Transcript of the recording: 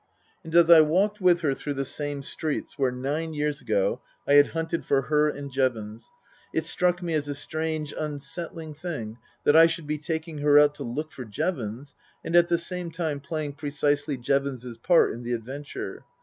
And as I walked with her through the same streets where nine years ago I had hunted for her and Jevons, it struck me as a strange, unsettling thing that I should be taking her out to look for Jevons and at the same time playing precisely Jevons' s part in the adventure.